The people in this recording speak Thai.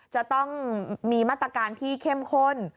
จะต้องมีมาตรการที่เข้มข้น